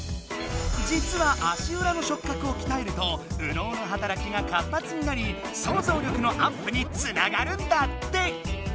じつは足裏の触覚をきたえると右脳の働きが活発になり想像力のアップにつながるんだって！